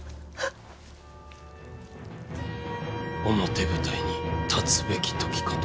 表舞台に立つべき時かと。